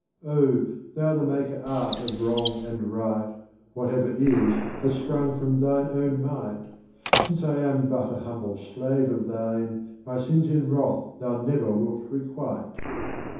Oh, Thou the Maker art of Wrong and Right, Whatever is, hath sprung from Thine own Might, Since I am but a Humble Slave of Thine, My Sins in Wrath, Thou never wilt requite.